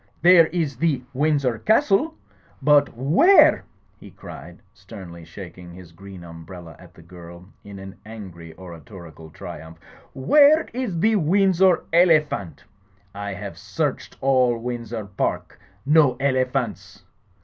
There is the Windsor Castle. But where,*' he cried sternly, shaking his green umbrella at the girl in an angry oratorical triumph, "where is the Windsor Ele phant? I have searched all Windsor Park. No ele phants."